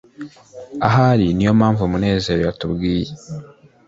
ahari niyo mpamvu munezero yatubwiye